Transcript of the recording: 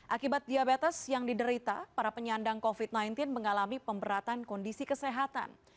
akibat diabetes yang diderita para penyandang covid sembilan belas mengalami pemberatan kondisi kesehatan